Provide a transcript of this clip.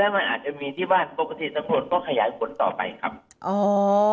และมันอาจจะมีที่บ้านปกติสังหลวนก็ขยายผลต่อไปครับ